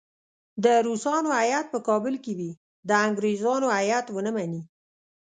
د روسانو هیات په کابل کې وي د انګریزانو هیات ونه مني.